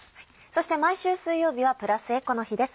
そして毎週水曜日はプラスエコの日です。